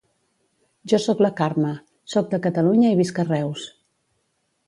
Jo soc la Carme, soc de Catalunya i visc a Reus.